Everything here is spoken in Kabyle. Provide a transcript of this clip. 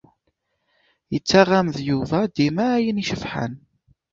Yettaɣ-am-d Yuba dima ayen icebḥen?